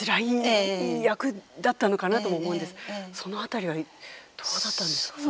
その辺りはどうだったんですか？